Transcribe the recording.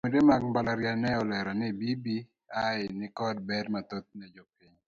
Bende jopuonjre mag mbalariany ne olero ni bbi nikod ber mathoth ne jopiny.